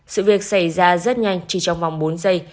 sự việc xảy ra rất nhanh chỉ trong vòng bốn giây